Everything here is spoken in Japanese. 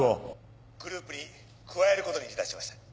グループに加えることにいたしました。